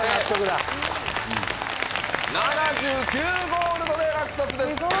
ゴールドで落札です。